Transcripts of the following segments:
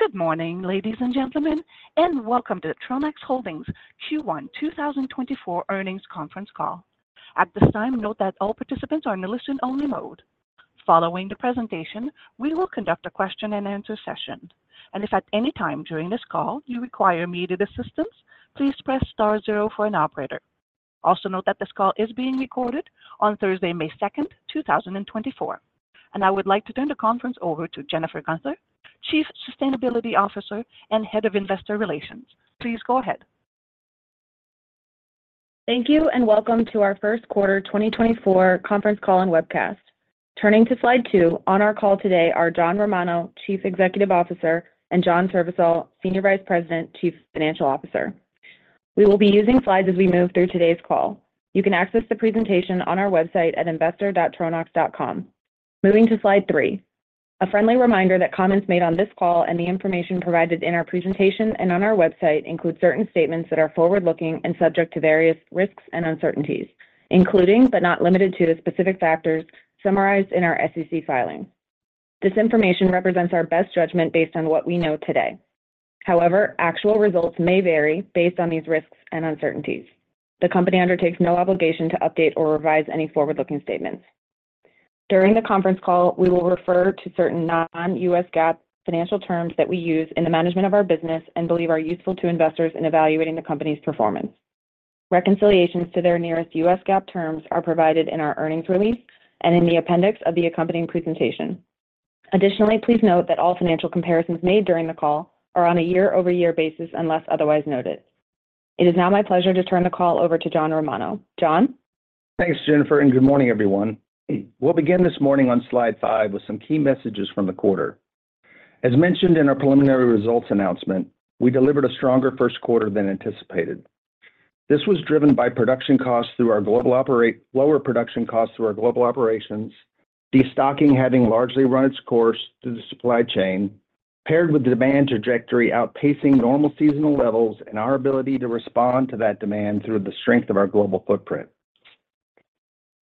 Good morning, ladies and gentlemen, and welcome to the Tronox Holdings Q1 2024 earnings conference call. At this time, note that all participants are in a listen-only mode. Following the presentation, we will conduct a question-and-answer session, and if at any time during this call you require immediate assistance, please press star zero for an operator. Also note that this call is being recorded on Thursday, May 2, 2024. I would like to turn the conference over to Jennifer Guenther, Chief Sustainability Officer and Head of Investor Relations. Please go ahead. Thank you, and welcome to our Q1 2024 conference call and webcast. Turning to slide two, on our call today are John Romano, Chief Executive Officer, and John Srivisal, Senior Vice President, Chief Financial Officer. We will be using slides as we move through today's call. You can access the presentation on our website at investor.tronox.com. Moving to slide three. A friendly reminder that comments made on this call and the information provided in our presentation and on our website include certain statements that are forward-looking and subject to various risks and uncertainties, including but not limited to the specific factors summarized in our SEC filing. This information represents our best judgment based on what we know today. However, actual results may vary based on these risks and uncertainties. The company undertakes no obligation to update or revise any forward-looking statements. During the conference call, we will refer to certain non-U.S. GAAP financial terms that we use in the management of our business and believe are useful to investors in evaluating the company's performance. Reconciliations to their nearest U.S. GAAP terms are provided in our earnings release and in the appendix of the accompanying presentation. Additionally, please note that all financial comparisons made during the call are on a year-over-year basis unless otherwise noted. It is now my pleasure to turn the call over to John Romano. John? Thanks, Jennifer, and good morning, everyone. We'll begin this morning on slide five with some key messages from the quarter. As mentioned in our preliminary results announcement, we delivered a stronger Q1 than anticipated. This was driven by lower production costs through our global operations, destocking having largely run its course through the supply chain, paired with demand trajectory outpacing normal seasonal levels and our ability to respond to that demand through the strength of our global footprint.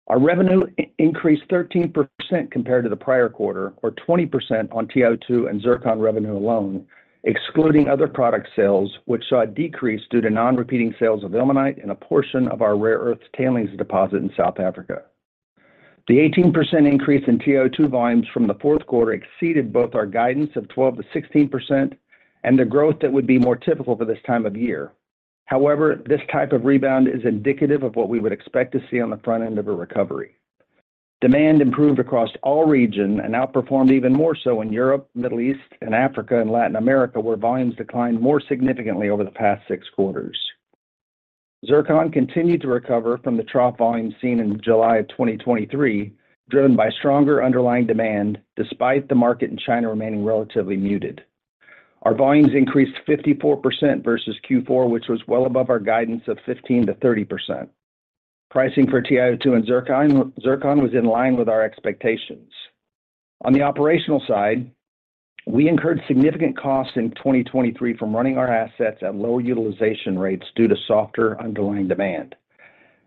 Our revenue increased 13% compared to the prior quarter, or 20% on TiO2 and zircon revenue alone, excluding other product sales, which saw a decrease due to non-repeating sales of ilmenite and a portion of our rare earth tailings deposit in South Africa. The 18% increase in TiO2 volumes from the Q4 exceeded both our guidance of 12%-16% and the growth that would be more typical for this time of year. However, this type of rebound is indicative of what we would expect to see on the front end of a recovery. Demand improved across all regions and outperformed even more so in Europe, Middle East, and Africa and Latin America, where volumes declined more significantly over the past six quarters. Zircon continued to recover from the trough volume seen in July of 2023, driven by stronger underlying demand despite the market in China remaining relatively muted. Our volumes increased 54% versus Q4, which was well above our guidance of 15%-30%. Pricing for TiO2 and zircon was in line with our expectations. On the operational side, we incurred significant costs in 2023 from running our assets at lower utilization rates due to softer underlying demand.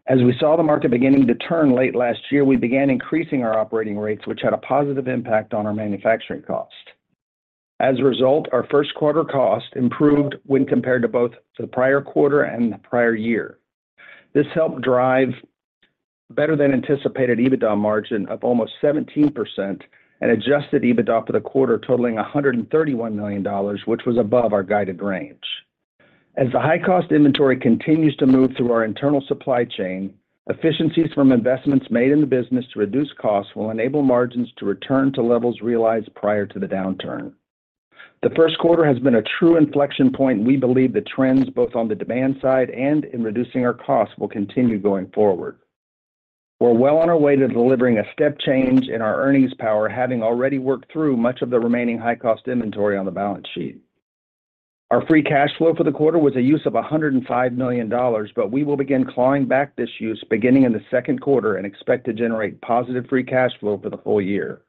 As we saw the market beginning to turn late last year, we began increasing our operating rates, which had a positive impact on our manufacturing cost. As a result, our Q1 cost improved when compared to both the prior quarter and the prior year. This helped drive better-than-anticipated EBITDA margin of almost 17% and adjusted EBITDA for the quarter, totaling $131 million, which was above our guided range. As the high-cost inventory continues to move through our internal supply chain, efficiencies from investments made in the business to reduce costs will enable margins to return to levels realized prior to the downturn. The Q1 has been a true inflection point. We believe the trends, both on the demand side and in reducing our costs, will continue going forward. We're well on our way to delivering a step change in our earnings power, having already worked through much of the remaining high-cost inventory on the balance sheet. Our free cash flow for the quarter was a use of $105 million, but we will begin clawing back this use beginning in the Q2 and expect to generate positive free cash flow for the full year.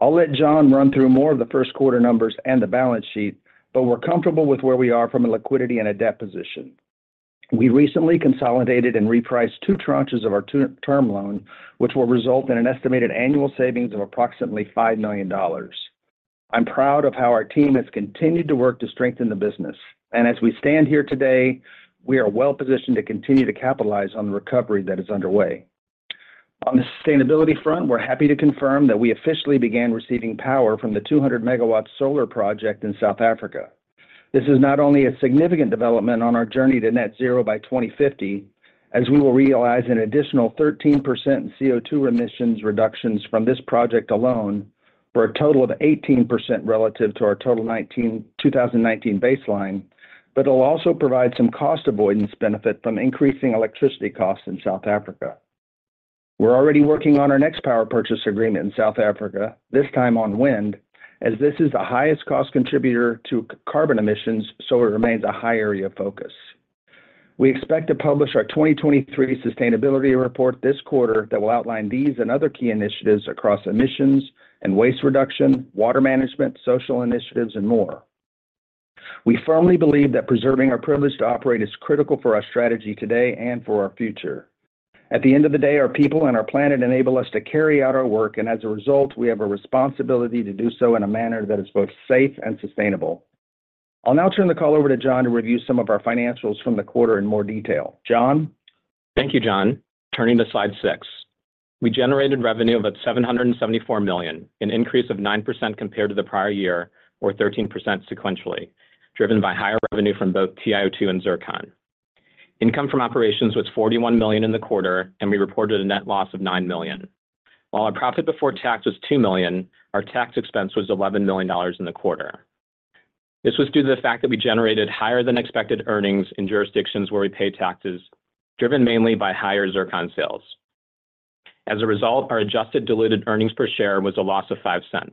I'll let John run through more of the Q1 numbers and the balance sheet, but we're comfortable with where we are from a liquidity and a debt position. We recently consolidated and repriced two tranches of our term loan, which will result in an estimated annual savings of approximately $5 million. I'm proud of how our team has continued to work to strengthen the business, and as we stand here today, we are well positioned to continue to capitalize on the recovery that is underway. On the sustainability front, we're happy to confirm that we officially began receiving power from the 200-MW solar project in South Africa. This is not only a significant development on our journey to Net Zero by 2050, as we will realize an additional 13% in CO2 emissions reductions from this project alone for a total of 18% relative to our total 2019 baseline, but it will also provide some cost avoidance benefit from increasing electricity costs in South Africa. We're already working on our next power purchase agreement in South Africa, this time on wind, as this is the highest cost contributor to carbon emissions, so it remains a high area of focus. We expect to publish our 2023 sustainability report this quarter that will outline these and other key initiatives across emissions and waste reduction, water management, social initiatives, and more. We firmly believe that preserving our privilege to operate is critical for our strategy today and for our future. At the end of the day, our people and our planet enable us to carry out our work, and as a result, we have a responsibility to do so in a manner that is both safe and sustainable. I'll now turn the call over to John to review some of our financials from the quarter in more detail. John? Thank you, John. Turning to Slide six. We generated revenue of about $774 million, an increase of 9% compared to the prior year, or 13% sequentially, driven by higher revenue from both TiO2 and zircon. Income from operations was $41 million in the quarter, and we reported a net loss of $9 million. While our profit before tax was $2 million, our tax expense was $11 million in the quarter. This was due to the fact that we generated higher-than-expected earnings in jurisdictions where we pay taxes, driven mainly by higher zircon sales. As a result, our adjusted diluted earnings per share was a loss of $0.05.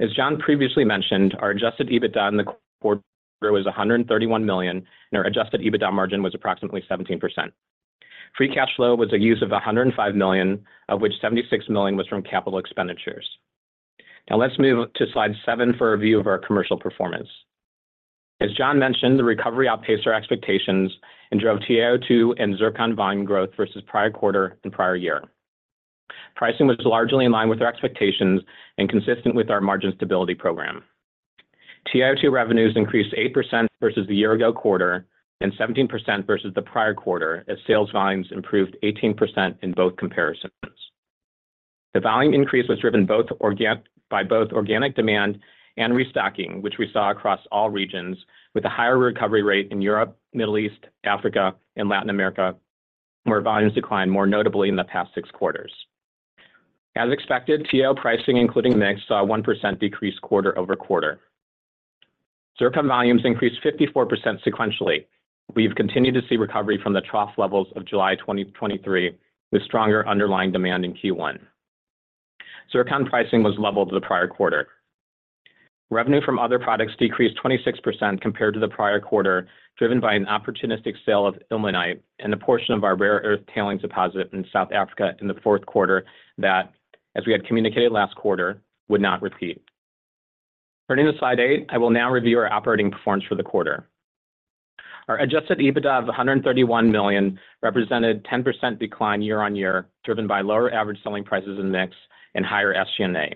As John previously mentioned, our adjusted EBITDA in the quarter was $131 million, and our adjusted EBITDA margin was approximately 17%. Free cash flow was a use of $105 million, of which $76 million was from capital expenditures. Now let's move to slide seven for a view of our commercial performance. As John mentioned, the recovery outpaced our expectations and drove TiO2 and zircon volume growth versus prior quarter and prior year. Pricing was largely in line with our expectations and consistent with our margin stability program. TiO2 revenues increased 8% versus the year-ago quarter and 17% versus the prior quarter as sales volumes improved 18% in both comparisons. The volume increase was driven by both organic demand and restocking, which we saw across all regions, with a higher recovery rate in Europe, Middle East, Africa, and Latin America, where volumes declined more notably in the past six quarters. As expected, TiO2 pricing, including mix, saw a 1% decrease quarter over quarter. Zircon volumes increased 54% sequentially. We've continued to see recovery from the trough levels of July 2023 with stronger underlying demand in Q1. Zircon pricing was leveled to the prior quarter. Revenue from other products decreased 26% compared to the prior quarter, driven by an opportunistic sale of ilmenite and a portion of our rare earth tailings deposit in South Africa in the Q4 that, as we had communicated last quarter, would not repeat. Turning to slide eight, I will now review our operating performance for the quarter. Our adjusted EBITDA of $131 million represented a 10% decline year-on-year, driven by lower average selling prices in mix and higher SG&A.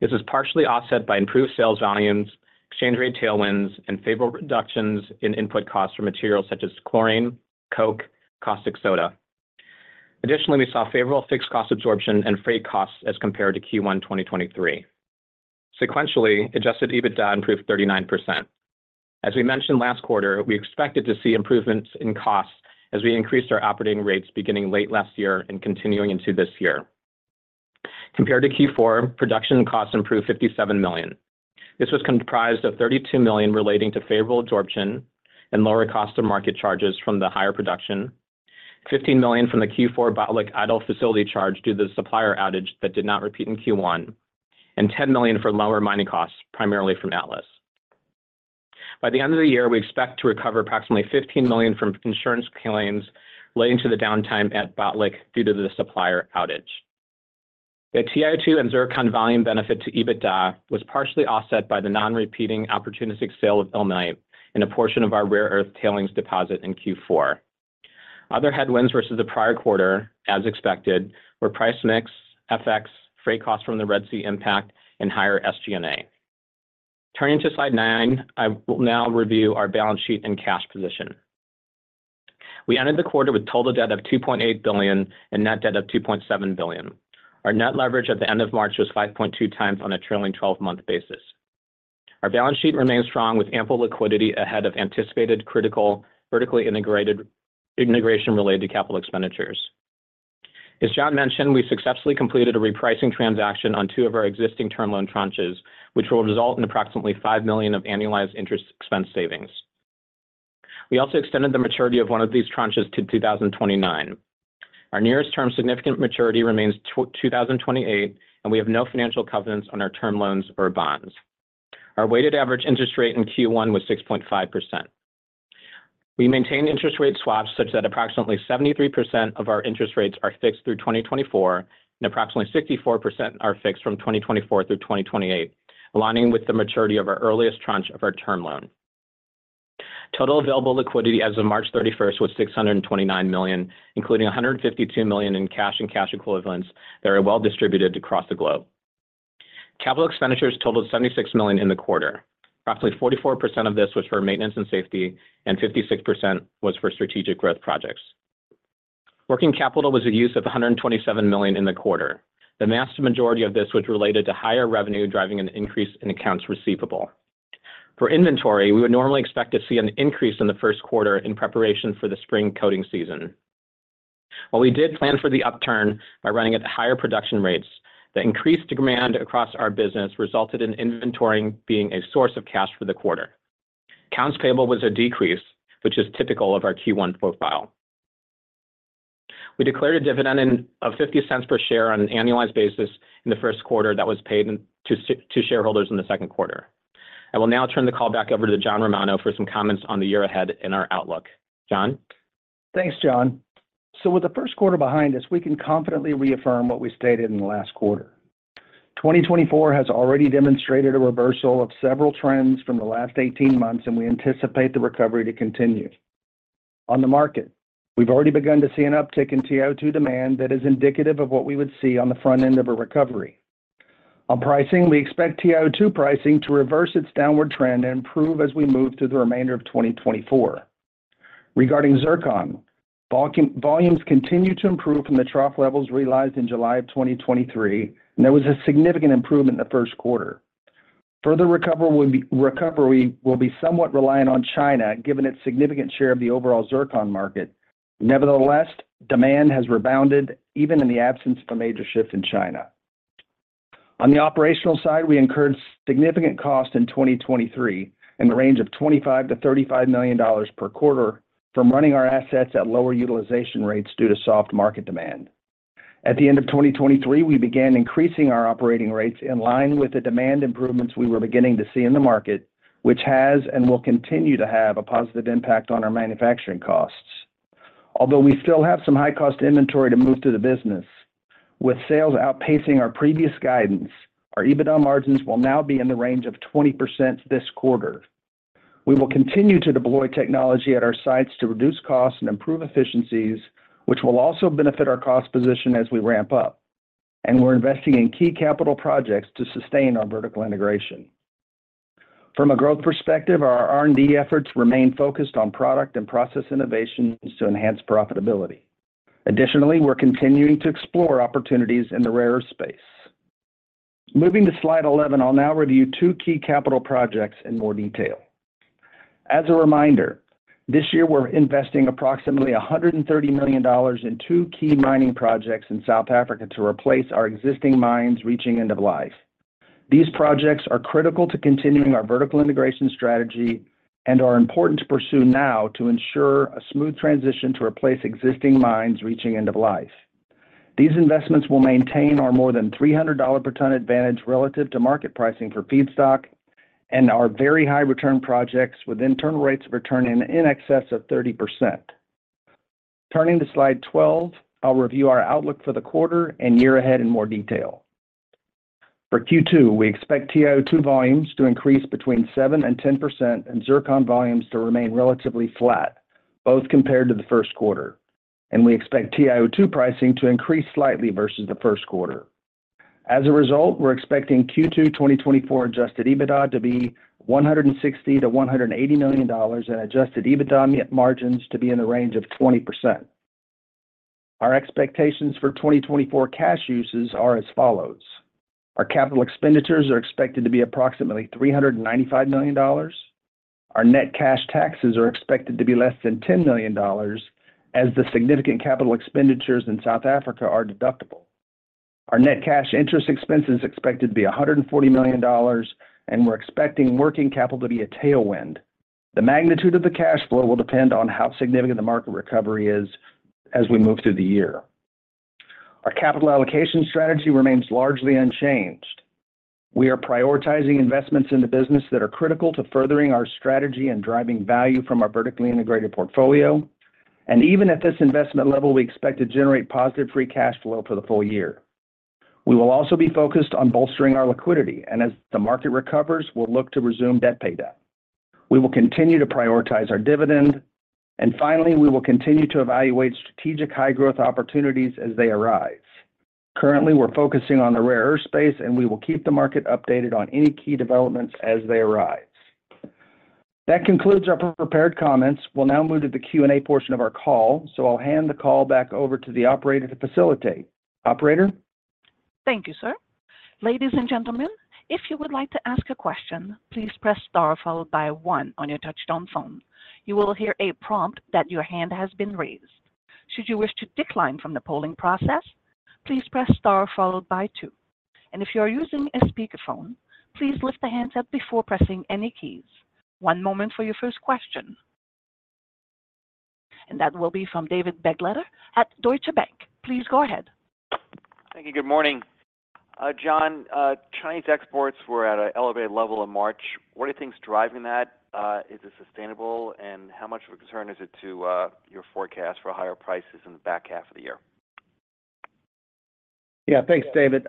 This is partially offset by improved sales volumes, exchange rate tailwinds, and favorable reductions in input costs for materials such as chlorine, coke, and caustic soda. Additionally, we saw favorable fixed cost absorption and freight costs as compared to Q1 2023. Sequentially, adjusted EBITDA improved 39%. As we mentioned last quarter, we expected to see improvements in costs as we increased our operating rates beginning late last year and continuing into this year. Compared to Q4, production costs improved $57 million. This was comprised of $32 million relating to favorable absorption and lower cost of market charges from the higher production, $15 million from the Q4 Botlek Idle Facility charge due to the supplier outage that did not repeat in Q1, and $10 million for lower mining costs, primarily from Atlas. By the end of the year, we expect to recover approximately $15 million from insurance claims leading to the downtime at Botlek due to the supplier outage. The TiO2 and zircon volume benefit to EBITDA was partially offset by the non-repeating opportunistic sale of ilmenite and a portion of our rare earth tailings deposit in Q4. Other headwinds versus the prior quarter, as expected, were price mix, FX, freight costs from the Red Sea impact, and higher SG&A. Turning to slide nine, I will now review our balance sheet and cash position. We ended the quarter with total debt of $2.8 billion and net debt of $2.7 billion. Our net leverage at the end of March was 5.2 times on a trailing 12-month basis. Our balance sheet remains strong, with ample liquidity ahead of anticipated critical vertical integration related to capital expenditures. As John mentioned, we successfully completed a repricing transaction on two of our existing term loan tranches, which will result in approximately $5 million of annualized interest expense savings. We also extended the maturity of one of these tranches to 2029. Our nearest term significant maturity remains 2028, and we have no financial covenants on our term loans or bonds. Our weighted average interest rate in Q1 was 6.5%. We maintain interest rate swaps such that approximately 73% of our interest rates are fixed through 2024 and approximately 64% are fixed from 2024 through 2028, aligning with the maturity of our earliest tranche of our term loan. Total available liquidity as of March 31st was $629 million, including $152 million in cash and cash equivalents that are well distributed across the globe. Capital expenditures totaled $76 million in the quarter. Approximately 44% of this was for maintenance and safety, and 56% was for strategic growth projects. Working capital was a use of $127 million in the quarter. The vast majority of this was related to higher revenue, driving an increase in accounts receivable. For inventory, we would normally expect to see an increase in the Q1 in preparation for the spring coating season. While we did plan for the upturn by running at higher production rates, the increased demand across our business resulted in inventory being a source of cash for the quarter. Accounts payable was a decrease, which is typical of our Q1 profile. We declared a dividend of $0.50 per share on an annualized basis in the Q1 that was paid to shareholders in the Q2. I will now turn the call back over to John Romano for some comments on the year ahead in our outlook. John? Thanks, John. So with the Q1 behind us, we can confidently reaffirm what we stated in the last quarter. 2024 has already demonstrated a reversal of several trends from the last 18 months, and we anticipate the recovery to continue. On the market, we've already begun to see an uptick in TiO2 demand that is indicative of what we would see on the front end of a recovery. On pricing, we expect TiO2 pricing to reverse its downward trend and improve as we move through the remainder of 2024. Regarding zircon, volumes continue to improve from the trough levels realized in July of 2023, and there was a significant improvement in the Q1. Further recovery will be somewhat reliant on China, given its significant share of the overall zircon market. Nevertheless, demand has rebounded even in the absence of a major shift in China. On the operational side, we incurred significant cost in 2023 in the range of $25-$35 million per quarter from running our assets at lower utilization rates due to soft market demand. At the end of 2023, we began increasing our operating rates in line with the demand improvements we were beginning to see in the market, which has and will continue to have a positive impact on our manufacturing costs. Although we still have some high-cost inventory to move through the business, with sales outpacing our previous guidance, our EBITDA margins will now be in the range of 20% this quarter. We will continue to deploy technology at our sites to reduce costs and improve efficiencies, which will also benefit our cost position as we ramp up. We're investing in key capital projects to sustain our vertical integration. From a growth perspective, our R&D efforts remain focused on product and process innovations to enhance profitability. Additionally, we're continuing to explore opportunities in the rare earth space. Moving to slide 11, I'll now review two key capital projects in more detail. As a reminder, this year we're investing approximately $130 million in two key mining projects in South Africa to replace our existing mines reaching end of life. These projects are critical to continuing our vertical integration strategy and are important to pursue now to ensure a smooth transition to replace existing mines reaching end of life. These investments will maintain our more than $300 per ton advantage relative to market pricing for feedstock and our very high return projects with internal rates of return in excess of 30%. Turning to slide 12, I'll review our outlook for the quarter and year ahead in more detail. For Q2, we expect TiO2 volumes to increase between 7% and 10% and zircon volumes to remain relatively flat, both compared to the Q1. We expect TiO2 pricing to increase slightly versus the Q1. As a result, we're expecting Q2 2024 adjusted EBITDA to be $160-$180 million and adjusted EBITDA margins to be in the range of 20%. Our expectations for 2024 cash uses are as follows. Our capital expenditures are expected to be approximately $395 million. Our net cash taxes are expected to be less than $10 million as the significant capital expenditures in South Africa are deductible. Our net cash interest expense is expected to be $140 million, and we're expecting working capital to be a tailwind. The magnitude of the cash flow will depend on how significant the market recovery is as we move through the year. Our capital allocation strategy remains largely unchanged. We are prioritizing investments in the business that are critical to furthering our strategy and driving value from our vertically integrated portfolio. Even at this investment level, we expect to generate positive free cash flow for the full year. We will also be focused on bolstering our liquidity, and as the market recovers, we'll look to resume debt paydown. We will continue to prioritize our dividend. Finally, we will continue to evaluate strategic high-growth opportunities as they arise. Currently, we're focusing on the rare earth space, and we will keep the market updated on any key developments as they arise. That concludes our prepared comments. We'll now move to the Q&A portion of our call, so I'll hand the call back over to the operator to facilitate. Operator? Thank you, sir. Ladies and gentlemen, if you would like to ask a question, please press star followed by one on your touch-tone phone. You will hear a prompt that your hand has been raised. Should you wish to decline from the polling process, please press star followed by two. And if you are using a speakerphone, please lift the handset before pressing any keys. One moment for your first question. And that will be from David Begleiter at Deutsche Bank. Please go ahead. Thank you. Good morning. John, Chinese exports were at an elevated level in March. What are things driving that? Is it sustainable, and how much of a concern is it to your forecast for higher prices in the back half of the year? Yeah, thanks, David.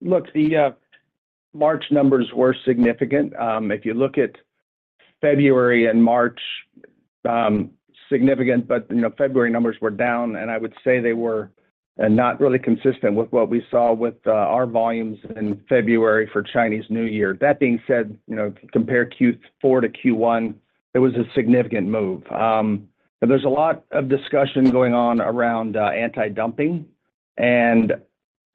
Look, the March numbers were significant. If you look at February and March, significant, but February numbers were down, and I would say they were not really consistent with what we saw with our volumes in February for Chinese New Year. That being said, compare Q4 to Q1, it was a significant move. There's a lot of discussion going on around anti-dumping, and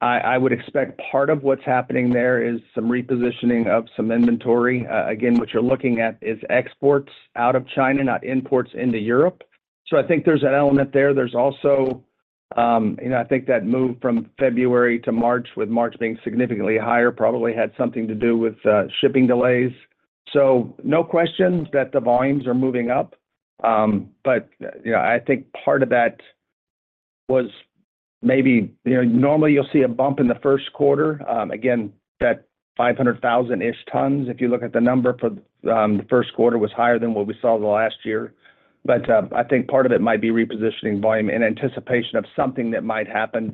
I would expect part of what's happening there is some repositioning of some inventory. Again, what you're looking at is exports out of China, not imports into Europe. I think there's an element there. There's also, I think, that move from February to March, with March being significantly higher, probably had something to do with shipping delays. So no question that the volumes are moving up, but I think part of that was maybe normally, you'll see a bump in the Q1. Again, that 500,000-ish tons, if you look at the number for the Q1, was higher than what we saw the last year. But I think part of it might be repositioning volume in anticipation of something that might happen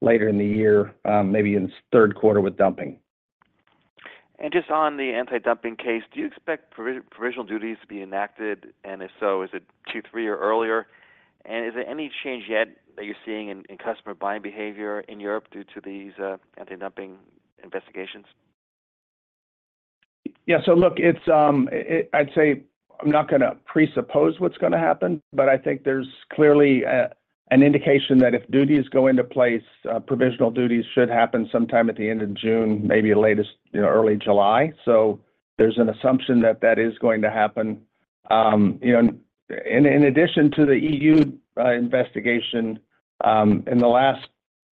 later in the year, maybe in the Q3 with dumping. Just on the anti-dumping case, do you expect provisional duties to be enacted? If so, is it Q3 or earlier? Is there any change yet that you're seeing in customer buying behavior in Europe due to these anti-dumping investigations? Yeah, so look, I'd say I'm not going to presuppose what's going to happen, but I think there's clearly an indication that if duties go into place, provisional duties should happen sometime at the end of June, maybe latest early July. So there's an assumption that that is going to happen. In addition to the EU investigation, in the last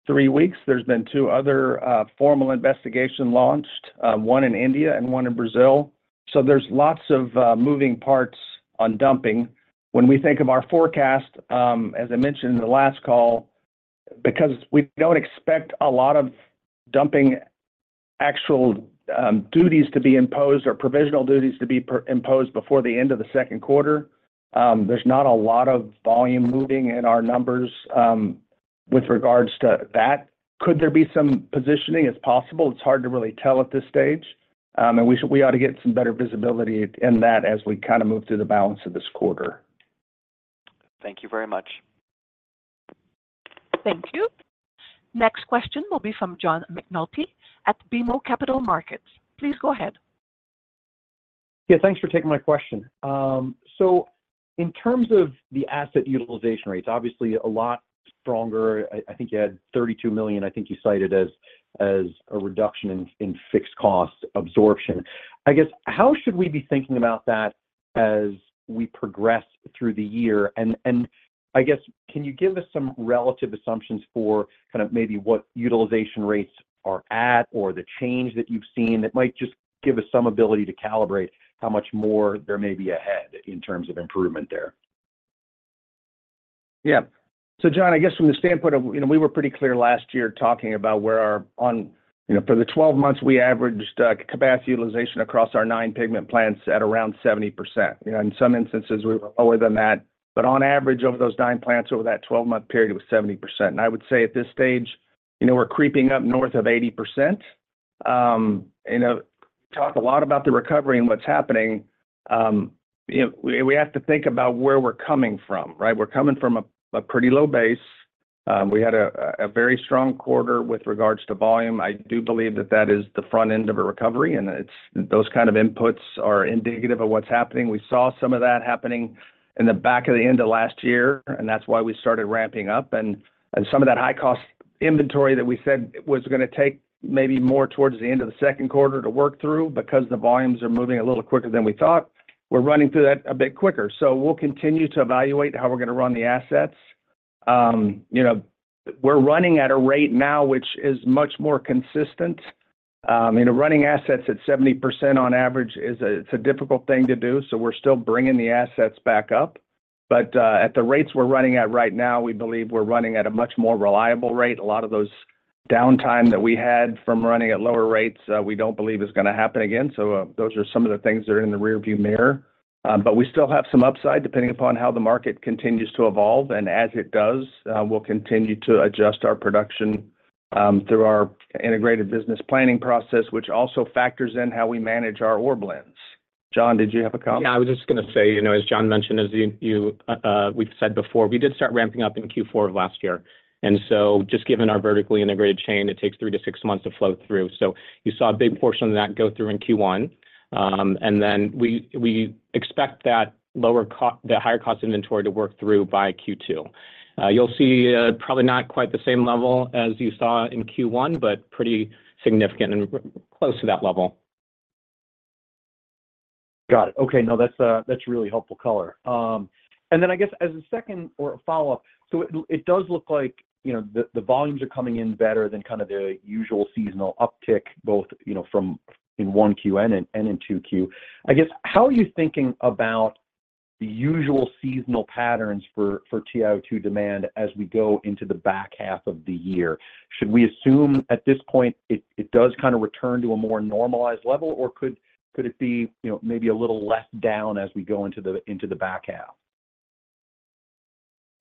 three weeks, there's been two other formal investigations launched, one in India and one in Brazil. So there's lots of moving parts on dumping. When we think of our forecast, as I mentioned in the last call, because we don't expect a lot of dumping actual duties to be imposed or provisional duties to be imposed before the end of the Q2, there's not a lot of volume moving in our numbers with regards to that. Could there be some positioning? It's possible. It's hard to really tell at this stage. We ought to get some better visibility in that as we kind of move through the balance of this quarter. Thank you very much. Thank you. Next question will be from John McNulty at BMO Capital Markets. Please go ahead. Yeah, thanks for taking my question. So in terms of the asset utilization rates, obviously, a lot stronger. I think you had $32 million. I think you cited as a reduction in fixed cost absorption. I guess, how should we be thinking about that as we progress through the year? And I guess, can you give us some relative assumptions for kind of maybe what utilization rates are at or the change that you've seen that might just give us some ability to calibrate how much more there may be ahead in terms of improvement there? Yeah. So John, I guess from the standpoint of we were pretty clear last year talking about where our for the 12 months, we averaged capacity utilization across our nine pigment plants at around 70%. In some instances, we were lower than that. But on average, over those nine plants, over that 12-month period, it was 70%. And I would say at this stage, we're creeping up north of 80%. We talk a lot about the recovery and what's happening. We have to think about where we're coming from, right? We're coming from a pretty low base. We had a very strong quarter with regards to volume. I do believe that that is the front end of a recovery, and those kind of inputs are indicative of what's happening. We saw some of that happening in the back of the end of last year, and that's why we started ramping up. And some of that high-cost inventory that we said was going to take maybe more towards the end of the Q2 to work through because the volumes are moving a little quicker than we thought, we're running through that a bit quicker. So we'll continue to evaluate how we're going to run the assets. We're running at a rate now, which is much more consistent. Running assets at 70% on average, it's a difficult thing to do. So we're still bringing the assets back up. But at the rates we're running at right now, we believe we're running at a much more reliable rate. A lot of those downtime that we had from running at lower rates, we don't believe is going to happen again. So those are some of the things that are in the rearview mirror. But we still have some upside depending upon how the market continues to evolve. And as it does, we'll continue to adjust our production through our integrated business planning process, which also factors in how we manage our ore blends. John, did you have a comment? Yeah, I was just going to say, as John mentioned, as we've said before, we did start ramping up in Q4 of last year. And so just given our vertically integrated chain, it takes three to six months to flow through. So you saw a big portion of that go through in Q1. And then we expect the higher-cost inventory to work through by Q2. You'll see probably not quite the same level as you saw in Q1, but pretty significant and close to that level. Got it. Okay, no, that's really helpful color. And then I guess as a second or a follow-up, so it does look like the volumes are coming in better than kind of the usual seasonal uptick, both in 1Q and in 2Q. I guess, how are you thinking about the usual seasonal patterns for TiO2 demand as we go into the back half of the year? Should we assume at this point it does kind of return to a more normalized level, or could it be maybe a little less down as we go into the back half?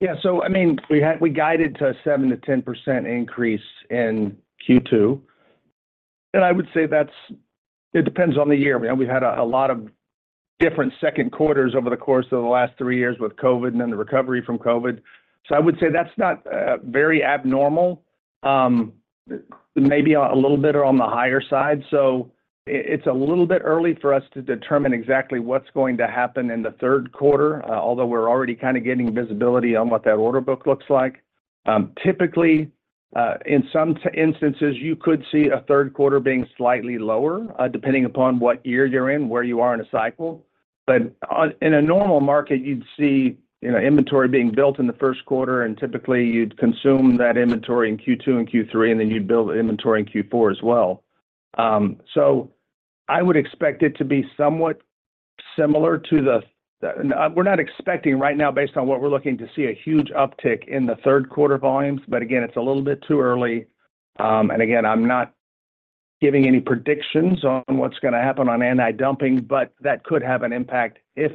Yeah, so I mean, we guided to a 7%-10% increase in Q2. And I would say it depends on the year. We've had a lot of different quarters over the course of the last three years with COVID and then the recovery from COVID. So I would say that's not very abnormal. Maybe a little bit on the higher side. So it's a little bit early for us to determine exactly what's going to happen in the Q3, although we're already kind of getting visibility on what that order book looks like. Typically, in some instances, you could see a Q3 being slightly lower, depending upon what year you're in, where you are in a cycle. But in a normal market, you'd see inventory being built in the Q1, and typically, you'd consume that inventory in Q2 and Q3, and then you'd build inventory in Q4 as well. So I would expect it to be somewhat similar to what we're not expecting right now, based on what we're looking to see, a huge uptick in the Q3 volumes. But again, it's a little bit too early. And again, I'm not giving any predictions on what's going to happen on anti-dumping, but that could have an impact if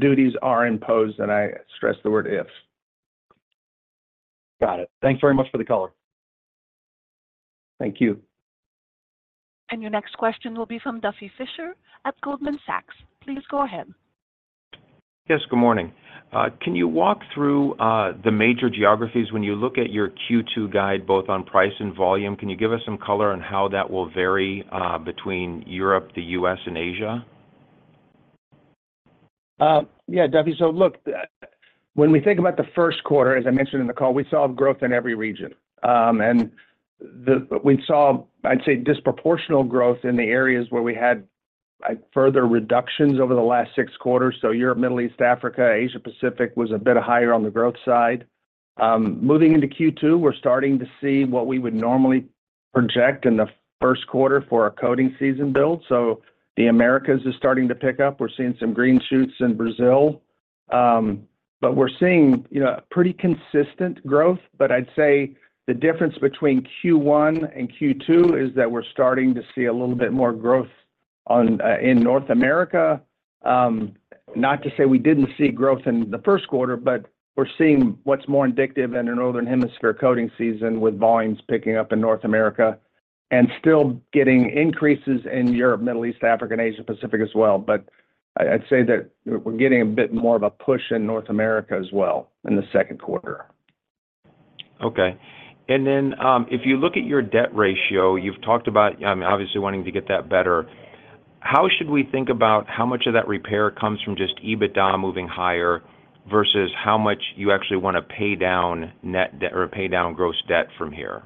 duties are imposed. And I stress the word if. Got it. Thanks very much for the color. Thank you. Your next question will be from Duffy Fischer at Goldman Sachs. Please go ahead. Yes, good morning. Can you walk through the major geographies when you look at your Q2 guide, both on price and volume? Can you give us some color on how that will vary between Europe, the US, and Asia? Yeah, Duffy. So look, when we think about the Q1, as I mentioned in the call, we saw growth in every region. And we saw, I'd say, disproportional growth in the areas where we had further reductions over the last six quarters. So Europe, Middle East, Africa, Asia-Pacific was a bit higher on the growth side. Moving into Q2, we're starting to see what we would normally project in the Q1 for a coating season build. So the Americas is starting to pick up. We're seeing some green shoots in Brazil. But we're seeing pretty consistent growth. But I'd say the difference between Q1 and Q2 is that we're starting to see a little bit more growth in North America. Not to say we didn't see growth in the Q1, but we're seeing what's more indicative in a northern hemisphere coating season with volumes picking up in North America and still getting increases in Europe, Middle East, Africa, and Asia-Pacific as well. But I'd say that we're getting a bit more of a push in North America as well in the Q2. Okay. And then if you look at your debt ratio, you've talked about, I mean, obviously wanting to get that better. How should we think about how much of that repair comes from just EBITDA moving higher versus how much you actually want to pay down net debt or pay down gross debt from here?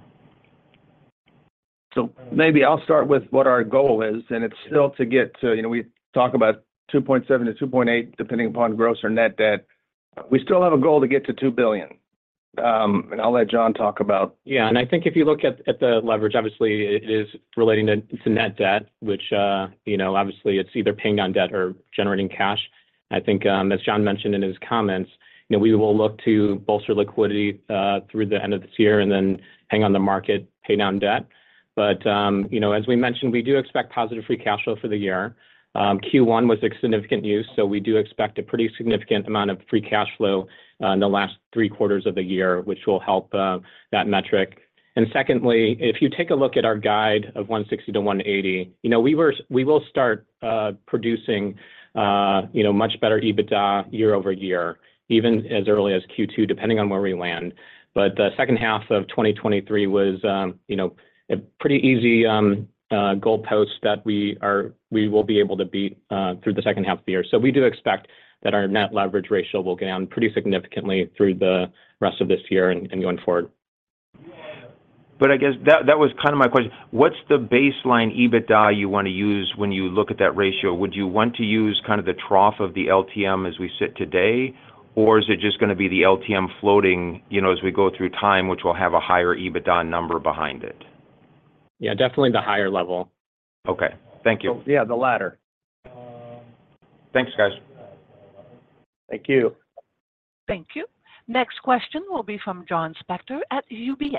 So maybe I'll start with what our goal is, and it's still to get to we talk about 2.7-2.8, depending upon gross or net debt. We still have a goal to get to $2 billion. I'll let John talk about. Yeah, and I think if you look at the leverage, obviously, it is relating to net debt, which obviously, it's either paying down debt or generating cash. I think, as John mentioned in his comments, we will look to bolster liquidity through the end of this year and then hang on the market, pay down debt. But as we mentioned, we do expect positive free cash flow for the year. Q1 was a significant use, so we do expect a pretty significant amount of free cash flow in the last three quarters of the year, which will help that metric. And secondly, if you take a look at our guide of $160-$180, we will start producing much better EBITDA year-over-year, even as early as Q2, depending on where we land. But the second half of 2023 was a pretty easy goalpost that we will be able to beat through the second half of the year. So we do expect that our net leverage ratio will go down pretty significantly through the rest of this year and going forward. But I guess that was kind of my question. What's the baseline EBITDA you want to use when you look at that ratio? Would you want to use kind of the trough of the LTM as we sit today, or is it just going to be the LTM floating as we go through time, which will have a higher EBITDA number behind it? Yeah, definitely the higher level. Okay. Thank you. Yeah, the latter. Thanks, guys. Thank you. Thank you. Next question will be from Joshua Spector at UBS.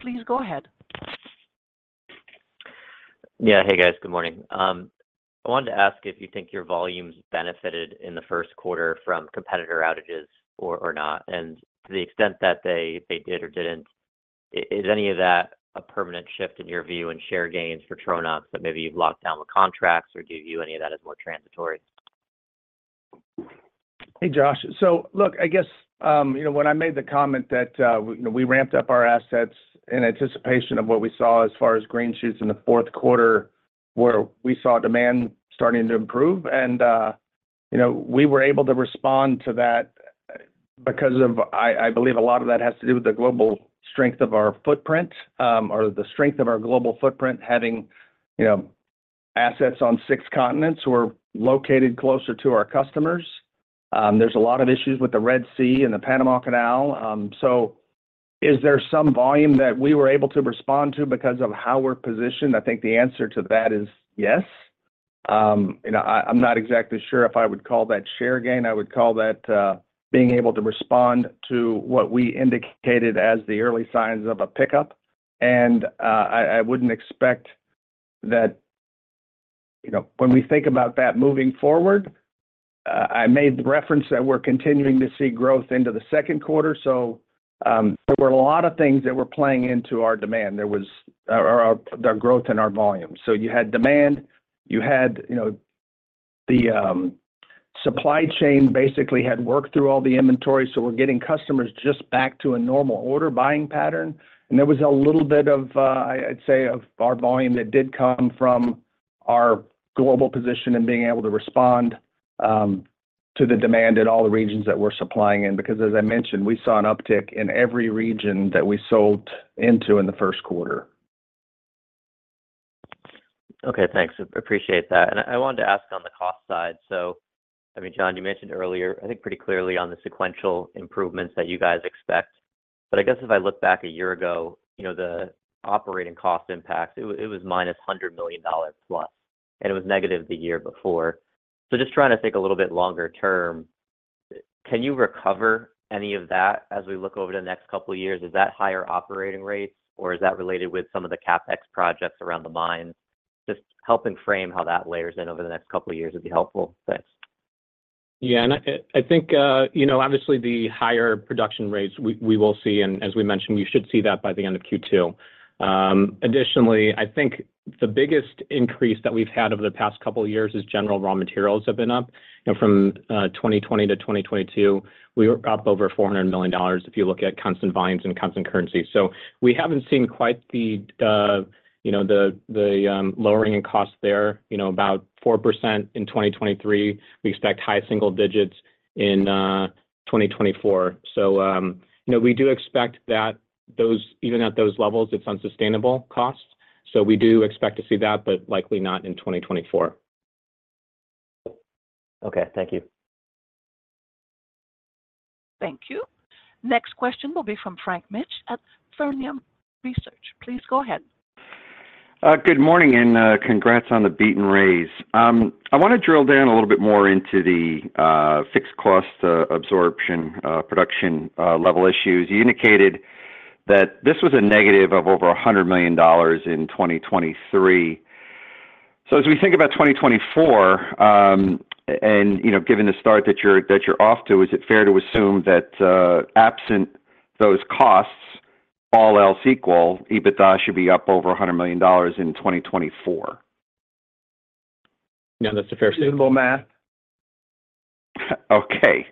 Please go ahead. Yeah, hey, guys. Good morning. I wanted to ask if you think your volumes benefited in the Q1 from competitor outages or not. To the extent that they did or didn't, is any of that a permanent shift in your view and share gains for Tronox that maybe you've locked down with contracts, or do you view any of that as more transitory? Hey, Josh. So look, I guess when I made the comment that we ramped up our assets in anticipation of what we saw as far as green shoots in the Q4, where we saw demand starting to improve. And we were able to respond to that because of I believe a lot of that has to do with the global strength of our footprint or the strength of our global footprint, having assets on six continents who are located closer to our customers. There's a lot of issues with the Red Sea and the Panama Canal. So is there some volume that we were able to respond to because of how we're positioned? I think the answer to that is yes. I'm not exactly sure if I would call that share gain. I would call that being able to respond to what we indicated as the early signs of a pickup. I wouldn't expect that when we think about that moving forward, I made the reference that we're continuing to see growth into the Q2. There were a lot of things that were playing into our demand or our growth in our volumes. You had demand. You had the supply chain basically had worked through all the inventory. We're getting customers just back to a normal order buying pattern. There was a little bit of, I'd say, of our volume that did come from our global position and being able to respond to the demand in all the regions that we're supplying in. Because as I mentioned, we saw an uptick in every region that we sold into in the Q1. Okay, thanks. Appreciate that. And I wanted to ask on the cost side. So I mean, John, you mentioned earlier, I think pretty clearly on the sequential improvements that you guys expect. But I guess if I look back a year ago, the operating cost impacts, it was minus $100 million plus, and it was negative the year before. So just trying to think a little bit longer term, can you recover any of that as we look over the next couple of years? Is that higher operating rates, or is that related with some of the CapEx projects around the mines? Just helping frame how that layers in over the next couple of years would be helpful. Thanks. Yeah, and I think obviously, the higher production rates we will see. As we mentioned, we should see that by the end of Q2. Additionally, I think the biggest increase that we've had over the past couple of years is general raw materials have been up. From 2020 to 2022, we were up over $400 million if you look at constant volumes and constant currency. So we haven't seen quite the lowering in cost there. About 4% in 2023. We expect high single digits in 2024. So we do expect that even at those levels, it's unsustainable costs. So we do expect to see that, but likely not in 2024. Okay, thank you. Thank you. Next question will be from Frank Mitsch at Fermium Research. Please go ahead. Good morning, and congrats on the beat and raise. I want to drill down a little bit more into the fixed cost absorption production level issues. You indicated that this was a negative of over $100 million in 2023. So as we think about 2024, and given the start that you're off to, is it fair to assume that absent those costs, all else equal, EBITDA should be up over $100 million in 2024? Yeah, that's a fair statement. Reasonable math. Okay,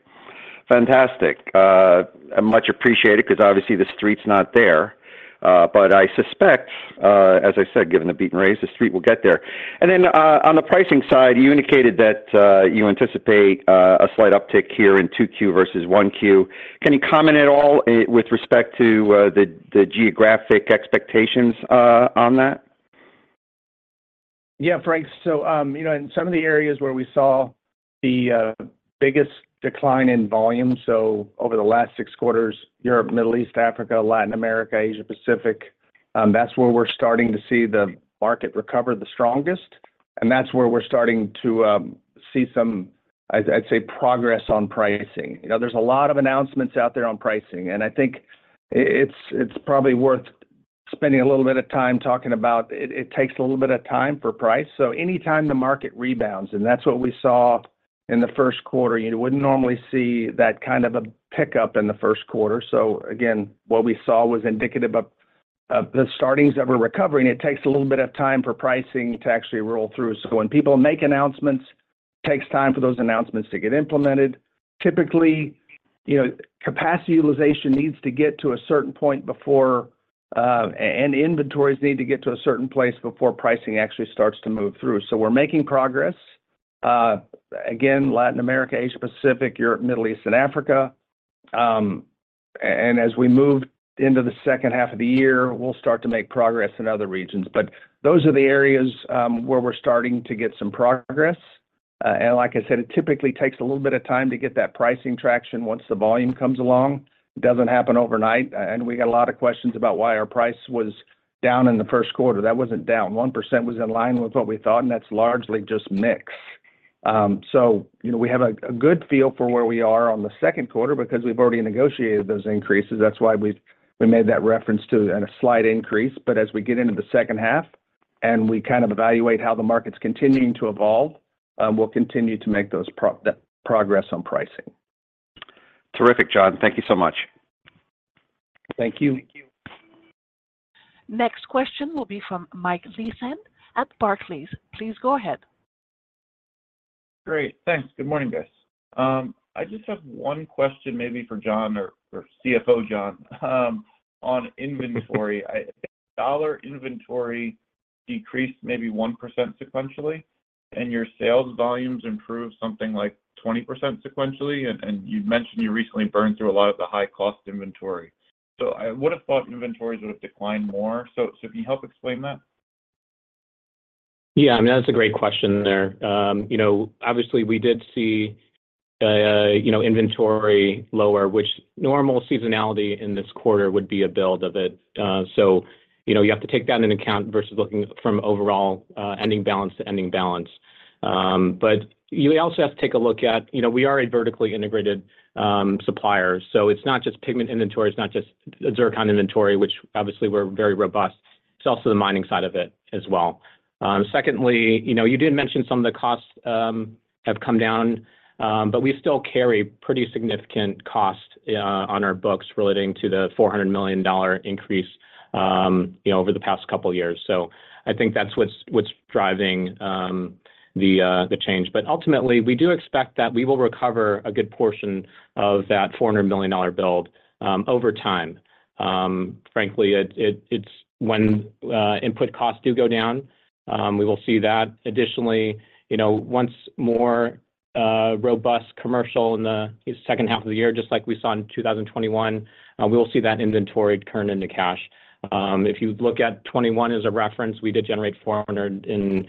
fantastic. I much appreciate it because obviously, the street's not there. But I suspect, as I said, given the beat and raise, the street will get there. And then on the pricing side, you indicated that you anticipate a slight uptick here in 2Q versus 1Q. Can you comment at all with respect to the geographic expectations on that? Yeah, Frank. So in some of the areas where we saw the biggest decline in volume, so over the last 6 quarters, Europe, Middle East, Africa, Latin America, Asia-Pacific, that's where we're starting to see the market recover the strongest. And that's where we're starting to see some, I'd say, progress on pricing. There's a lot of announcements out there on pricing. And I think it's probably worth spending a little bit of time talking about it. It takes a little bit of time for price. So anytime the market rebounds, and that's what we saw in the Q1, you wouldn't normally see that kind of a pickup in the Q1. So again, what we saw was indicative of the starts that were recovering. It takes a little bit of time for pricing to actually roll through. So when people make announcements, it takes time for those announcements to get implemented. Typically, capacity utilization needs to get to a certain point before, and inventories need to get to a certain place before pricing actually starts to move through. So we're making progress. Again, Latin America, Asia-Pacific, Europe, Middle East, and Africa. And as we move into the second half of the year, we'll start to make progress in other regions. But those are the areas where we're starting to get some progress. And like I said, it typically takes a little bit of time to get that pricing traction once the volume comes along. It doesn't happen overnight. And we got a lot of questions about why our price was down in the Q1. That wasn't down 1%. It was in line with what we thought, and that's largely just mix. So we have a good feel for where we are on the Q2 because we've already negotiated those increases. That's why we made that reference to a slight increase. But as we get into the second half and we kind of evaluate how the market's continuing to evolve, we'll continue to make that progress on pricing. Terrific, John. Thank you so much. Thank you. Next question will be from Michael Leithead at Barclays. Please go ahead. Great. Thanks. Good morning, guys. I just have one question maybe for John or CFO John on inventory. I think dollar inventory decreased maybe 1% sequentially, and your sales volumes improved something like 20% sequentially. And you mentioned you recently burned through a lot of the high-cost inventory. So I would have thought inventories would have declined more. So can you help explain that? Yeah, I mean, that's a great question there. Obviously, we did see inventory lower, which normal seasonality in this quarter would be a build of it. So you have to take that into account versus looking from overall ending balance to ending balance. But you also have to take a look at we are a vertically integrated supplier. So it's not just pigment inventory. It's not just zircon inventory, which obviously, we're very robust. It's also the mining side of it as well. Secondly, you did mention some of the costs have come down, but we still carry pretty significant cost on our books relating to the $400 million increase over the past couple of years. So I think that's what's driving the change. But ultimately, we do expect that we will recover a good portion of that $400 million build over time. Frankly, it's when input costs do go down. We will see that. Additionally, once more robust commercial in the second half of the year, just like we saw in 2021, we will see that inventory turn into cash. If you look at 2021 as a reference, we did generate $468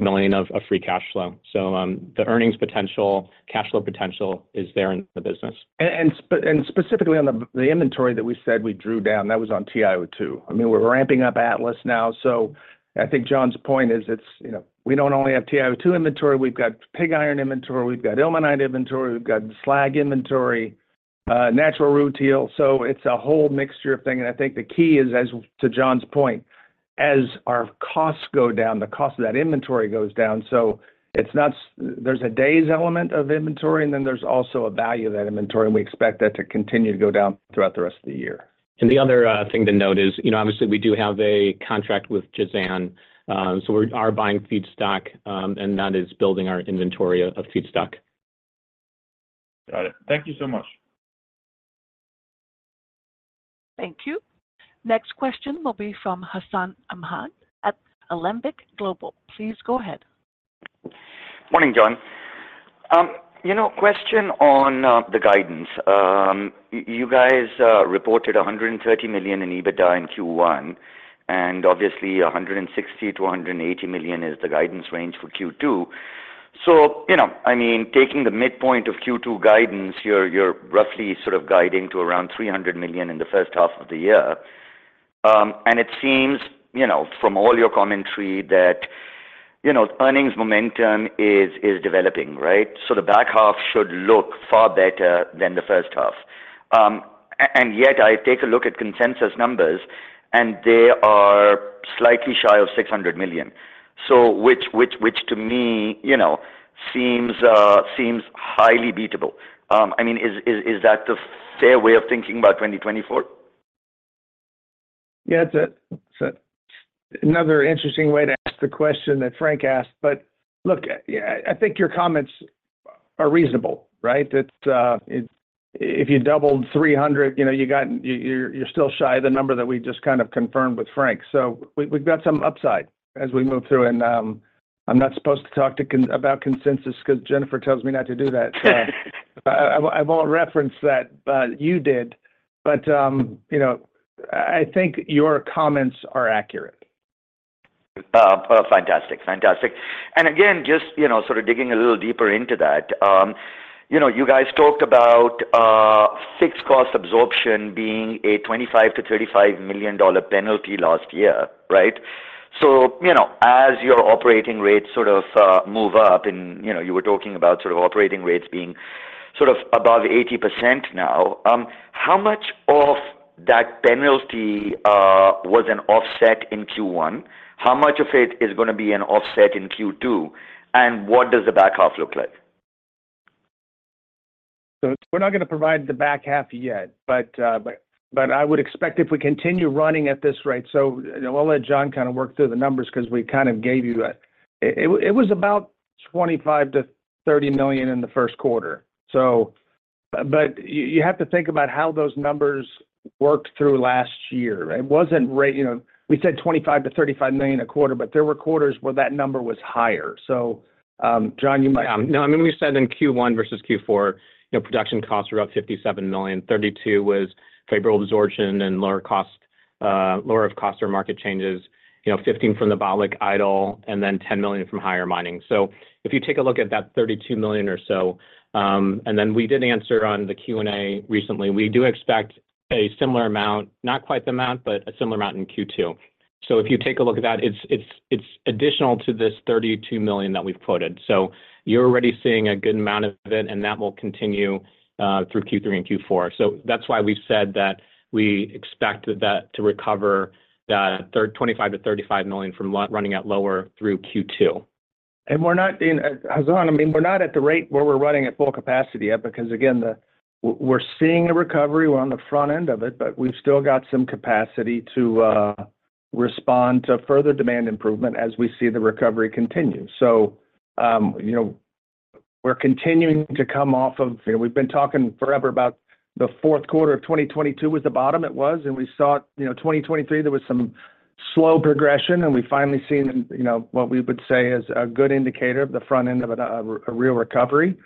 million of free cash flow. So the earnings potential, cash flow potential is there in the business. Specifically on the inventory that we said we drew down, that was on TiO2. I mean, we're ramping up Atlas now. So I think John's point is we don't only have TiO2 inventory. We've got pig iron inventory. We've got ilmenite inventory. We've got slag inventory, natural rutile. So it's a whole mixture of things. And I think the key is, as to John's point, as our costs go down, the cost of that inventory goes down. So there's a days element of inventory, and then there's also a value of that inventory. And we expect that to continue to go down throughout the rest of the year. The other thing to note is, obviously, we do have a contract with Jazan. We are buying feedstock, and that is building our inventory of feedstock. Got it. Thank you so much. Thank you. Next question will be from Hassan Ahmed at Alembic Global. Please go ahead. Morning, John. Question on the guidance. You guys reported $130 million in EBITDA in Q1, and obviously, $160 million-$180 million is the guidance range for Q2. So I mean, taking the midpoint of Q2 guidance, you're roughly sort of guiding to around $300 million in the first half of the year. And it seems from all your commentary that earnings momentum is developing, right? So the back half should look far better than the first half. And yet, I take a look at consensus numbers, and they are slightly shy of $600 million, which to me seems highly beatable. I mean, is that the fair way of thinking about 2024? Yeah, that's it. Another interesting way to ask the question that Frank asked. But look, I think your comments are reasonable, right? If you doubled 300, you're still shy of the number that we just kind of confirmed with Frank. So we've got some upside as we move through. And I'm not supposed to talk about consensus because Jennifer tells me not to do that. I won't reference that, but you did. But I think your comments are accurate. Fantastic. Fantastic. And again, just sort of digging a little deeper into that, you guys talked about fixed cost absorption being a $25-$35 million penalty last year, right? So as your operating rates sort of move up, and you were talking about sort of operating rates being sort of above 80% now, how much of that penalty was an offset in Q1? How much of it is going to be an offset in Q2? And what does the back half look like? So we're not going to provide the back half yet. But I would expect if we continue running at this rate, so I'll let John kind of work through the numbers because we kind of gave you it was about $25 million-$30 million in the Q1. But you have to think about how those numbers worked through last year. It wasn't rate we said $25 million-$35 million a quarter, but there were quarters where that number was higher. So John, you might. Yeah. No, I mean, we said in Q1 versus Q4, production costs were about $57 million. 32 was favorable absorption and lower costs or market changes, 15 from the BALIC idle, and then $10 million from higher mining. So if you take a look at that $32 million or so and then we did answer on the Q&A recently, we do expect a similar amount, not quite the amount, but a similar amount in Q2. So if you take a look at that, it's additional to this $32 million that we've quoted. So you're already seeing a good amount of it, and that will continue through Q3 and Q4. So that's why we've said that we expect that to recover, that $25-$35 million from running at lower through Q2. And Hassan, I mean, we're not at the rate where we're running at full capacity yet because, again, we're seeing a recovery. We're on the front end of it, but we've still got some capacity to respond to further demand improvement as we see the recovery continue. So we're continuing to come off of. We've been talking forever about the Q4 of 2022 was the bottom it was. And we saw 2023, there was some slow progression, and we finally seen what we would say is a good indicator of the front end of a real recovery.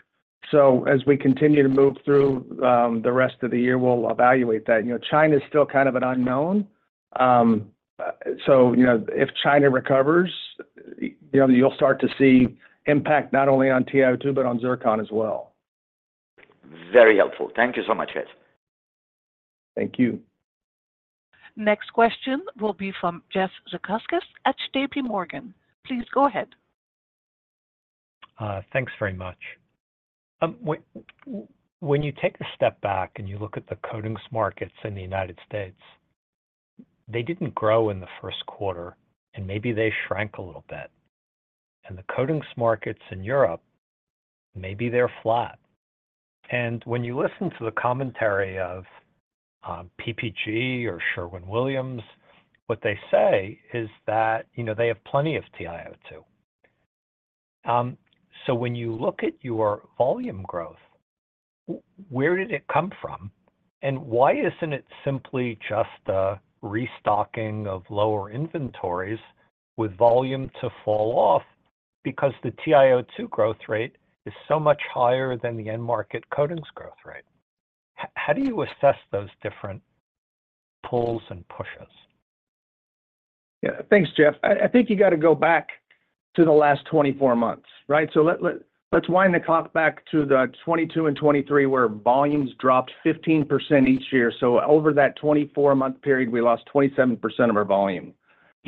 So as we continue to move through the rest of the year, we'll evaluate that. China is still kind of an unknown. So if China recovers, you'll start to see impact not only on TiO2, but on zircon as well. Very helpful. Thank you so much, Ed. Thank you. Next question will be from Jeffrey Zekauskas at J.P. Morgan. Please go ahead. Thanks very much. When you take a step back and you look at the coatings markets in the United States, they didn't grow in the Q1, and maybe they shrank a little bit. The coatings markets in Europe, maybe they're flat. When you listen to the commentary of PPG or Sherwin-Williams, what they say is that they have plenty of TiO2. When you look at your volume growth, where did it come from? And why isn't it simply just a restocking of lower inventories with volume to fall off because the TiO2 growth rate is so much higher than the end market coatings growth rate? How do you assess those different pulls and pushes? Yeah, thanks, Jeff. I think you got to go back to the last 24 months, right? So let's wind the clock back to the '22 and '23 where volumes dropped 15% each year. So over that 24-month period, we lost 27% of our volume.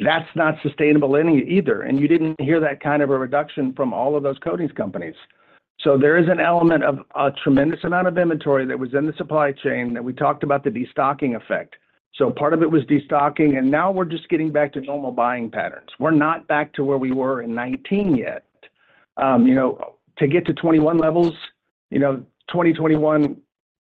That's not sustainable either. And you didn't hear that kind of a reduction from all of those coatings companies. So there is an element of a tremendous amount of inventory that was in the supply chain that we talked about the destocking effect. So part of it was destocking, and now we're just getting back to normal buying patterns. We're not back to where we were in '19 yet. To get to '21 levels, 2021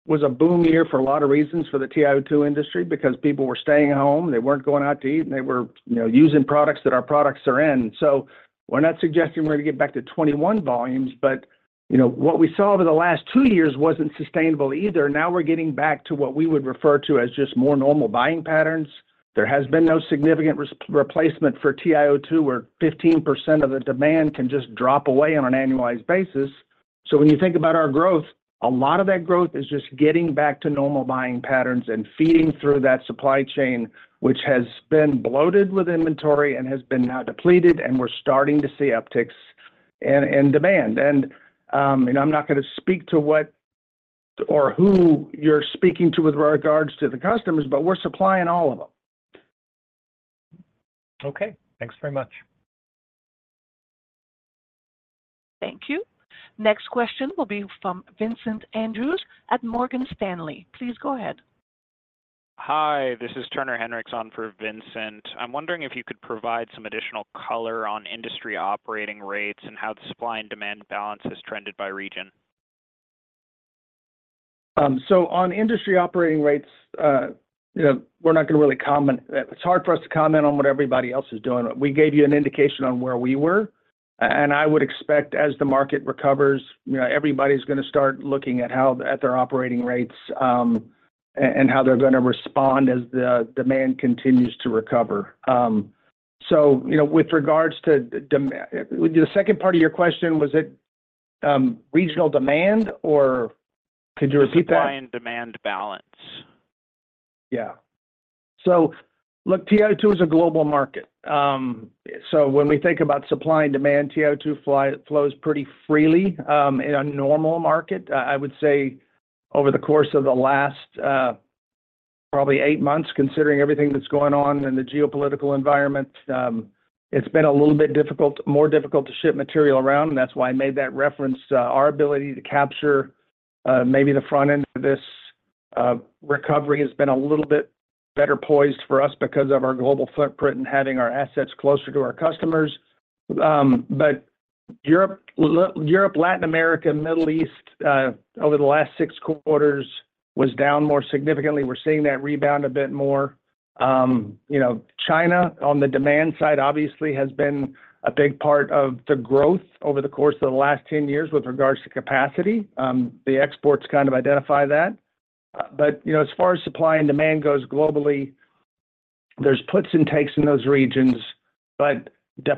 was a boom year for a lot of reasons for the TiO2 industry because people were staying home. They weren't going out to eat, and they were using products that our products are in. So we're not suggesting we're going to get back to 2021 volumes. But what we saw over the last two years wasn't sustainable either. Now we're getting back to what we would refer to as just more normal buying patterns. There has been no significant replacement for TiO2 where 15% of the demand can just drop away on an annualized basis. So when you think about our growth, a lot of that growth is just getting back to normal buying patterns and feeding through that supply chain, which has been bloated with inventory and has been now depleted. And we're starting to see upticks in demand. And I'm not going to speak to what or who you're speaking to with regards to the customers, but we're supplying all of them. Okay. Thanks very much. Thank you. Next question will be from Vincent Andrews at Morgan Stanley. Please go ahead. Hi, this is Turner Hinrichs for Vincent. I'm wondering if you could provide some additional color on industry operating rates and how the supply and demand balance has trended by region? On industry operating rates, we're not going to really comment. It's hard for us to comment on what everybody else is doing. We gave you an indication on where we were. And I would expect as the market recovers, everybody's going to start looking at their operating rates and how they're going to respond as the demand continues to recover. So with regards to the second part of your question, was it regional demand, or could you repeat that? Supply and demand balance. Yeah. So look, TiO2 is a global market. So when we think about supply and demand, TiO2 flows pretty freely in a normal market. I would say over the course of the last probably eight months, considering everything that's going on in the geopolitical environment, it's been a little bit more difficult to ship material around. And that's why I made that reference. Our ability to capture maybe the front end of this recovery has been a little bit better poised for us because of our global footprint and having our assets closer to our customers. But Europe, Latin America, Middle East, over the last six quarters, was down more significantly. We're seeing that rebound a bit more. China, on the demand side, obviously, has been a big part of the growth over the course of the last 10 years with regards to capacity. The exports kind of identify that. But as far as supply and demand goes globally, there's puts and takes in those regions. But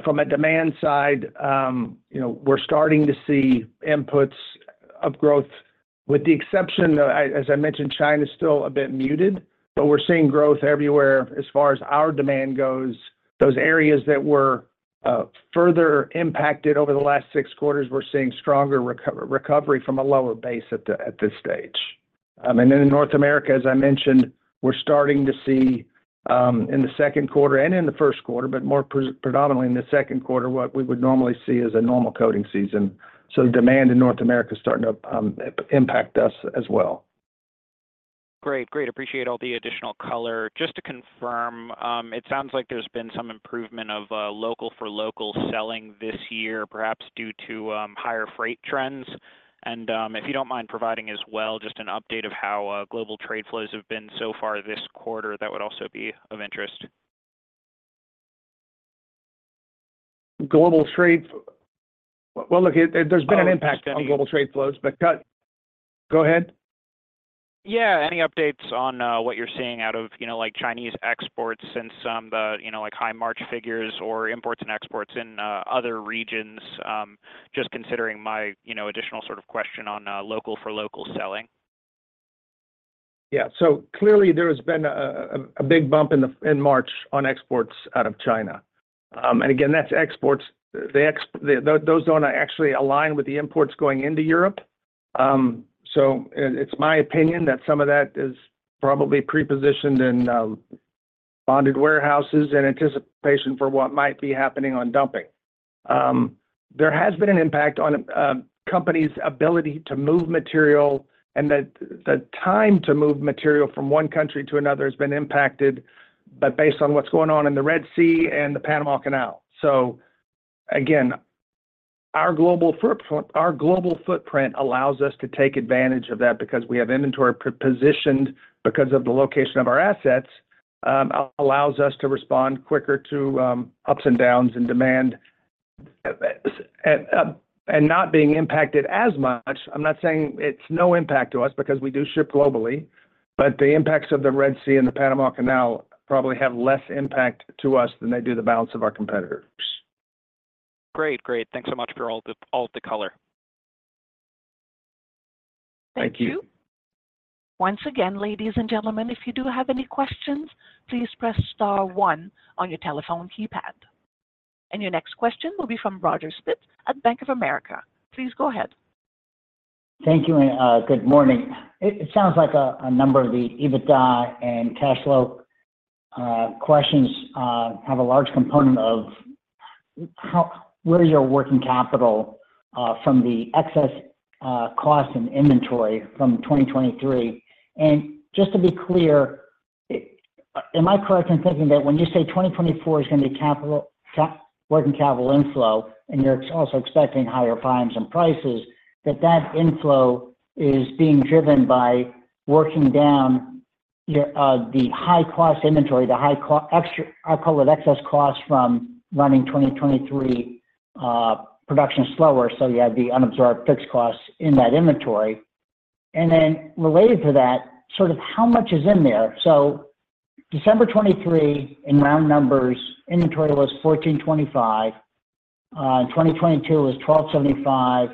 from a demand side, we're starting to see inputs of growth, with the exception, as I mentioned, China's still a bit muted, but we're seeing growth everywhere as far as our demand goes. Those areas that were further impacted over the last 6 quarters, we're seeing stronger recovery from a lower base at this stage. And then in North America, as I mentioned, we're starting to see in the Q2 and in the Q1, but more predominantly in the Q2, what we would normally see is a normal coating season. So demand in North America is starting to impact us as well. Great. Great. Appreciate all the additional color. Just to confirm, it sounds like there's been some improvement of local-for-local selling this year, perhaps due to higher freight trends. And if you don't mind providing as well just an update of how global trade flows have been so far this quarter, that would also be of interest. Global trade. Well, look, there's been an impact on global trade flows, but cut. Go ahead. Yeah. Any updates on what you're seeing out of Chinese exports since the high March figures or imports and exports in other regions, just considering my additional sort of question on local-for-local selling? Yeah. So clearly, there has been a big bump in March on exports out of China. And again, that's exports. Those don't actually align with the imports going into Europe. So it's my opinion that some of that is probably prepositioned in bonded warehouses in anticipation for what might be happening on dumping. There has been an impact on companies' ability to move material, and the time to move material from one country to another has been impacted, but based on what's going on in the Red Sea and the Panama Canal. So again, our global footprint allows us to take advantage of that because we have inventory positioned because of the location of our assets, allows us to respond quicker to ups and downs in demand and not being impacted as much. I'm not saying it's no impact to us because we do ship globally, but the impacts of the Red Sea and the Panama Canal probably have less impact to us than they do the balance of our competitors. Great. Great. Thanks so much for all of the color. Thank you. Once again, ladies and gentlemen, if you do have any questions, please press star one on your telephone keypad. Your next question will be from Roger Spitz at Bank of America. Please go ahead. Thank you. Good morning. It sounds like a number of the EBITDA and cash flow questions have a large component of where your working capital from the excess cost and inventory from 2023. And just to be clear, am I correct in thinking that when you say 2024 is going to be working capital inflow, and you're also expecting higher volumes and prices, that that inflow is being driven by working down the high-cost inventory, the high-cost I'll call it excess costs from running 2023 production slower. So you have the unabsorbed fixed costs in that inventory. And then related to that, sort of how much is in there? So December 2023, in round numbers, inventory was 1,425. In 2022, it was 1,275.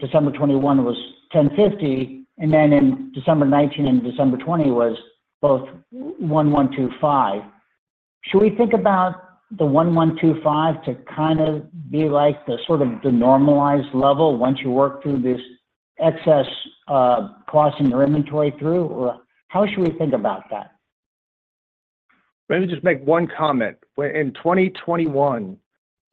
December 2021 was 1,050. And then in December 2019 and December 2020 was both 1,125. Should we think about the $1,125 to kind of be like the sort of the normalized level once you work through this excess cost in your inventory through, or how should we think about that? Let me just make one comment. In 2021,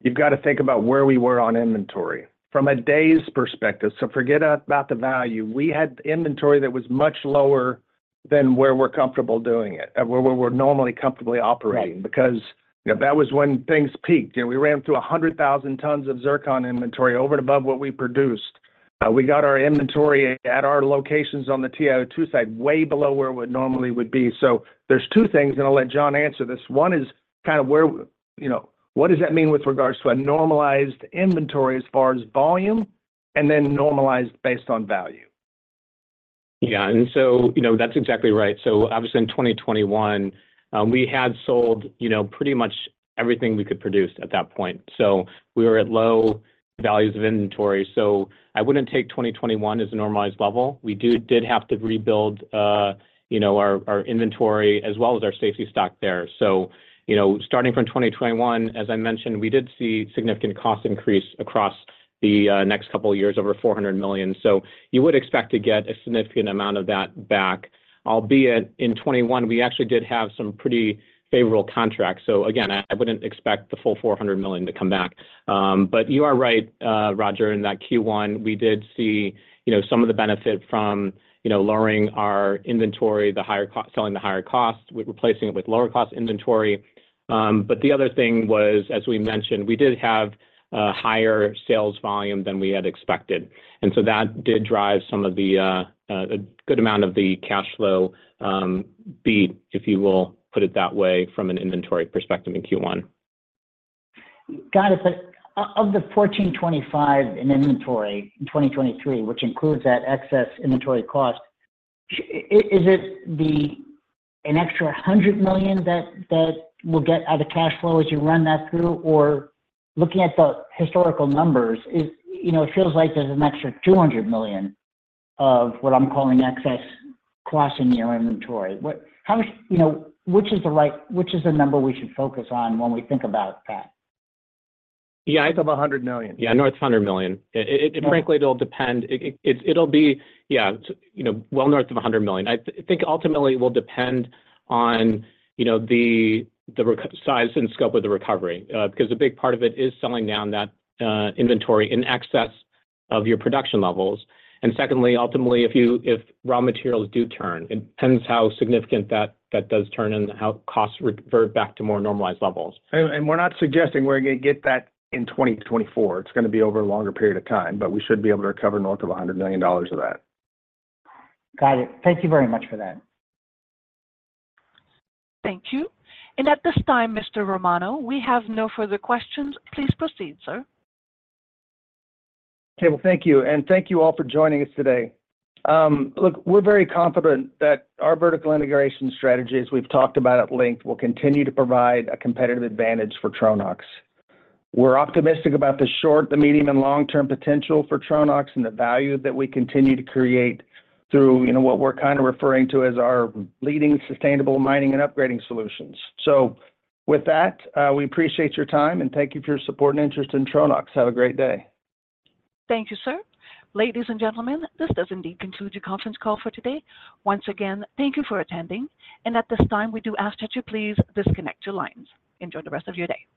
you've got to think about where we were on inventory from a day's perspective. So forget about the value. We had inventory that was much lower than where we're comfortable doing it, where we're normally comfortably operating because that was when things peaked. We ran through 100,000 tons of zircon inventory over and above what we produced. We got our inventory at our locations on the TiO2 side way below where it normally would be. So there's two things, and I'll let John answer this. One is kind of what does that mean with regards to a normalized inventory as far as volume and then normalized based on value? Yeah. And so that's exactly right. So obviously, in 2021, we had sold pretty much everything we could produce at that point. So we were at low values of inventory. So I wouldn't take 2021 as a normalized level. We did have to rebuild our inventory as well as our safety stock there. So starting from 2021, as I mentioned, we did see significant cost increase across the next couple of years, over $400 million. So you would expect to get a significant amount of that back, albeit in '21, we actually did have some pretty favorable contracts. So again, I wouldn't expect the full $400 million to come back. But you are right, Roger, in that Q1. We did see some of the benefit from lowering our inventory, selling the higher cost, replacing it with lower-cost inventory. But the other thing was, as we mentioned, we did have a higher sales volume than we had expected. And so that did drive some of a good amount of the cash flow beat, if you will put it that way, from an inventory perspective in Q1. Got it. But of the 1,425 in inventory in 2023, which includes that excess inventory cost, is it an extra $100 million that we'll get out of cash flow as you run that through? Or looking at the historical numbers, it feels like there's an extra $200 million of what I'm calling excess cost in your inventory. Which is the right number we should focus on when we think about that? Yeah, I think of $100 million. Yeah, north of $100 million. Frankly, it'll depend. It'll be, yeah, well north of $100 million. I think ultimately, it will depend on the size and scope of the recovery because a big part of it is selling down that inventory in excess of your production levels. And secondly, ultimately, if raw materials do turn, it depends how significant that does turn and how costs revert back to more normalized levels. We're not suggesting we're going to get that in 2024. It's going to be over a longer period of time, but we should be able to recover north of $100 million of that. Got it. Thank you very much for that. Thank you. At this time, Mr. Romano, we have no further questions. Please proceed, sir. Okay. Well, thank you. Thank you all for joining us today. Look, we're very confident that our vertical integration strategies, we've talked about at length, will continue to provide a competitive advantage for Tronox. We're optimistic about the short, the medium, and long-term potential for Tronox and the value that we continue to create through what we're kind of referring to as our leading sustainable mining and upgrading solutions. With that, we appreciate your time, and thank you for your support and interest in Tronox. Have a great day. Thank you, sir. Ladies and gentlemen, this does indeed conclude your conference call for today. Once again, thank you for attending. At this time, we do ask that you please disconnect your lines. Enjoy the rest of your day.